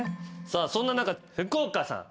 さあそんな中福岡さん。